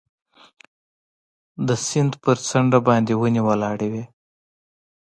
د سیند پر څنډه باندې ونې ولاړې وې.